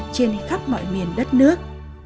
trên khắp mọi miền đất nước